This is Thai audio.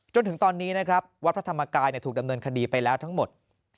จนถึงตอนนี้นะครับวัดพระธรรมกายถูกดำเนินคดีไปแล้วทั้งหมด